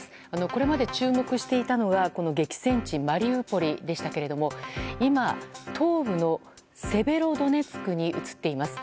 これまで注目していたのが激戦地マリウポリでしたけども今、東部のセベロドネツクに移っています。